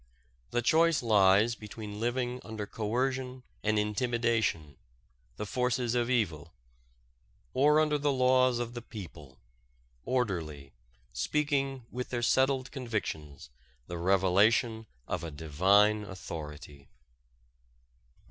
The choice lies between living under coercion and intimidation, the forces of evil, or under the laws of the people, orderly, speaking with their settled convictions, the revelation of a divine authority.